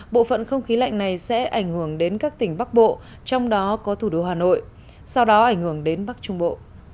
bộ phận không khí lạnh này sẽ ảnh hưởng đến các tỉnh bắc bộ trong đó có thủ đô hà nội sau đó ảnh hưởng đến bắc trung bộ